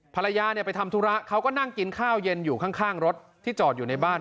ภรรยายไปทำทุรามันก็นั่งกินค่าเย็นข้างรถที่จอดในบ้าน